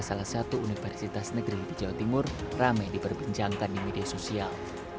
salah satu universitas negeri di jawa timur rame diperbincangkan di media sosial